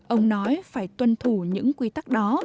ông nói phải tuân thủ những quy tắc đó